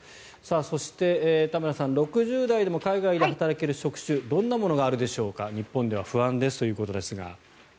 そして、田村さん６０代でも海外で働ける職種どんなものがあるでしょうか日本では不安ですということですが。